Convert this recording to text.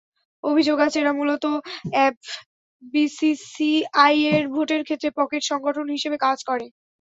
অভিযোগ আছে, এরা মূলত এফবিসিসিআইয়ের ভোটের ক্ষেত্রে পকেট সংগঠন হিসেবে কাজ করে।